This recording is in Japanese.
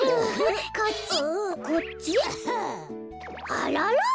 あらら？